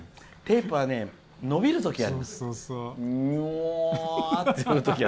テープは伸びるときがあります。